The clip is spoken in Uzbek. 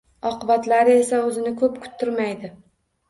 Oqibatlari esa o‘zini ko‘p kuttirmaydi.